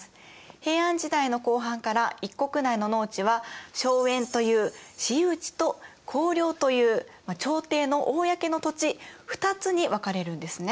平安時代の後半から一国内の農地は荘園という私有地と公領という朝廷の公の土地２つに分かれるんですね。